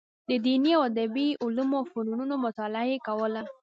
د دیني او ادبي علومو او فنونو مطالعه یې کوله.